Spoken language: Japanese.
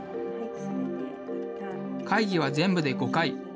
会議は全部で５回。